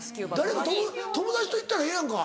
誰か友達と行ったらええやんか。